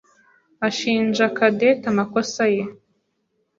ashinja Cadette amakosa ye.